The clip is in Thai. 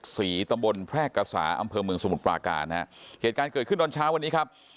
ตำบลแพร่กษาอำเภอเมืองสมุทรปราการนะฮะเหตุการณ์เกิดขึ้นตอนเช้าวันนี้ครับ